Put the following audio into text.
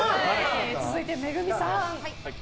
続いて、めぐみさん。